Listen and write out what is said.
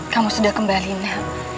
kamu sudah kembali nda